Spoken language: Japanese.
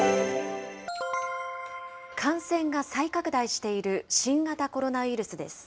感染が再拡大している新型コロナウイルスです。